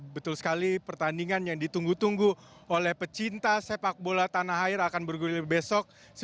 betul sekali pertandingan yang ditunggu tunggu oleh pecinta sepak bola tanah air akan bergulir besok